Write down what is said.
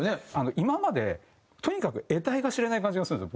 今までとにかく得体が知れない感じがするんですよ